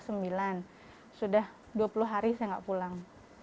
sudah dua puluh hari saya nggak pulang